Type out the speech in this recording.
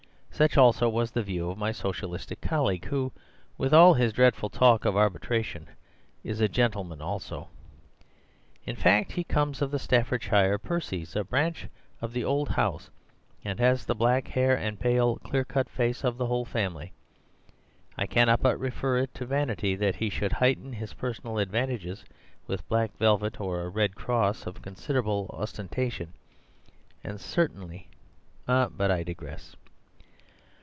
Such also was the view of my Socialistic colleague, who (with all his dreadful talk of arbitration) is a gentleman also. In fact, he comes of the Staffordshire Percys, a branch of the old house and has the black hair and pale, clear cut face of the whole family. I cannot but refer it to vanity that he should heighten his personal advantages with black velvet or a red cross of considerable ostentation, and certainly—but I digress.